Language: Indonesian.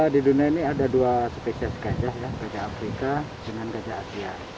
di dunia ini ada dua spesies gajah gajah afrika dengan gajah asia